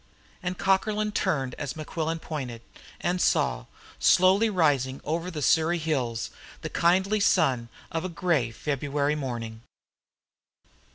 And Cockerlyne turned as Mequillen pointed, and saw, slowly rising over the Surrey hills, the kindly sun of a grey February morning.